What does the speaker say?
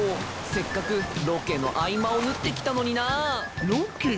せっかくロケの合間を縫って来たのにな。ロケ？